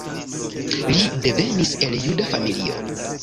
Li devenis el juda familio.